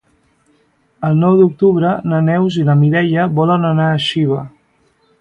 El nou d'octubre na Neus i na Mireia volen anar a Xiva.